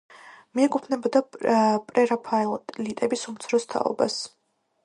მიეკუთვნებოდა პრერაფაელიტების უმცროს თაობას.